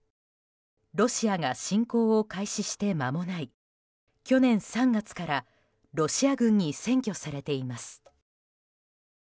ロシアが侵攻を開始してまもない去年３月からロシア軍に占拠されています。